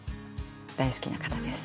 大好きな方です。